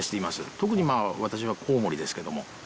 特に、私はコウモリですけれども。